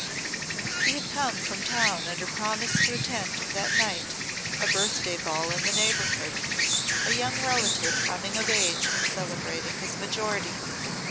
He had come from town under promise to attend that night a birthday ball in the neighbourhood, a young relative coming of age and celebrating his majority.